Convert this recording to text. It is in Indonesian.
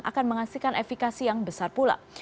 akan menghasilkan efekasi yang besar pula